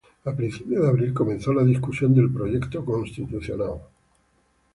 A principios de abril comenzó la discusión del proyecto constitucional.